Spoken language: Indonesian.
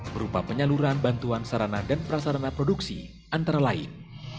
berupa penyaluran bantuan sarana dan prasarana produksi antara lain